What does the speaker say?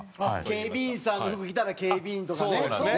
警備員さんの服着たら警備員とかね。